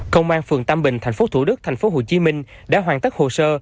công an phường tàm bình thành phố thủ đức thành phố hồ chí minh đã hoàn tất hồ sơ